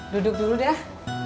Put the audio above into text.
duduk dulu dah